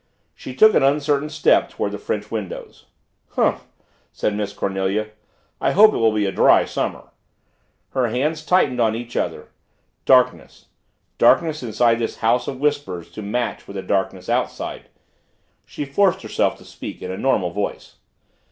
She took an uncertain step toward the French windows. "Humph!" said Miss Cornelia, "I hope it will be a dry summer." Her hands tightened on each other. Darkness darkness inside this house of whispers to match with the darkness outside! She forced herself to speak in a normal voice.